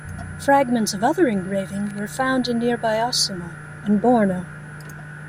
Fragments of other engraving were found in nearby Ossimo and Borno.